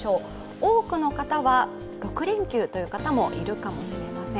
多くの方は６連休という方もいるかもしれません。